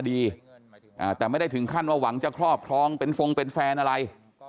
แต่ไม่ได้ถึงขั้นว่าหวังจะครอบครองเป็นฟงเป็นแฟนอะไร